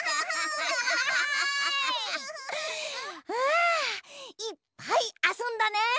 あいっぱいあそんだね！